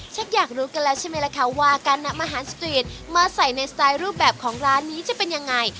อยากรู้กันแล้วใช่ไหมล่ะคะว่าการนำอาหารสตรีทมาใส่ในสไตล์รูปแบบของร้านนี้จะเป็นยังไง